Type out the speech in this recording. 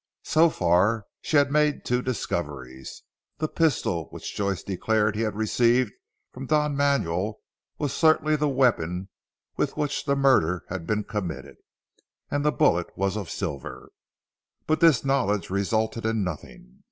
So far she had made two discoveries. The pistol which Joyce declared he had received from Don Manuel was certainly the weapon with which the murder had been committed; and the bullet was of silver. But this knowledge resulted in nothing.